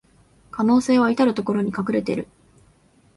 可能性はいたるところに隠れてる